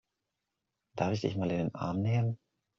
Darf ich dich mal in den Arm nehmen?